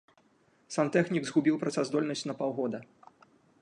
Сантэхнік згубіў працаздольнасць на паўгода.